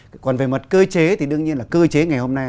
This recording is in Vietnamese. còn về mặt cơ chế thì đương nhiên là cơ chế ngày hôm nay